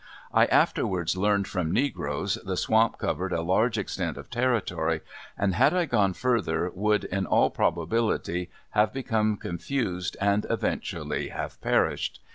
I afterwards learned from negroes the swamp covered a large extent of territory and had I gone farther would in all probability have become confused and eventually have perished.